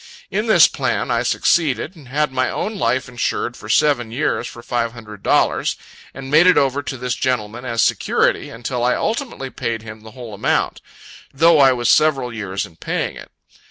In this plan I succeeded; and had my own life insured for seven years for five hundred dollars, and made it over to this gentleman, as security; until I ultimately paid him the whole amount; though I was several years in paying it.